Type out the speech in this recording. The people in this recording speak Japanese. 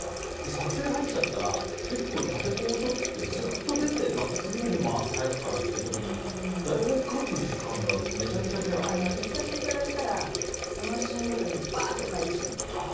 撮影に入っちゃったら結構立て込む時って、ずっと出てまた次の日も朝早くからってなった時に１冊いただいたらそのシーンごとにばーっと書いてしまうんです。